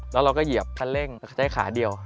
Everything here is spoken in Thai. แล้วเราก็เกียร์เกียร์พันเร่งแล้วใช้ขาเดียว